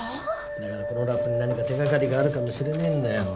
だからこのラップに何か手掛かりがあるかもしれねえんだよ。